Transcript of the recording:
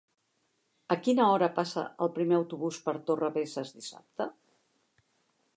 A quina hora passa el primer autobús per Torrebesses dissabte?